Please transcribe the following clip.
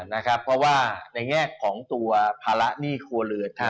เพราะว่าในแง่ของตัวภาระหนี้ครัวเรือน